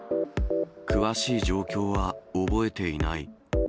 詳しい状況は覚えていない。